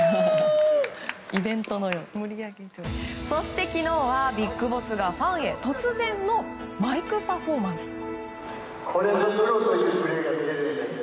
そして昨日はビッグボスがファンへ突然のマイクパフォーマンス。